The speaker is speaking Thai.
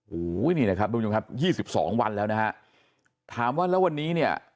โหนี่นะครับ๒๒วันแล้วนะครับถามว่าแล้ววันนี้